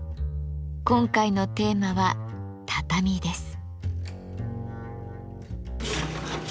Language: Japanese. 今回のテーマは「畳」です。